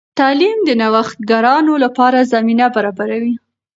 تعلیم د نوښتګرانو لپاره زمینه برابروي.